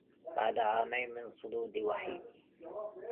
بعد عامين من صدود وحيف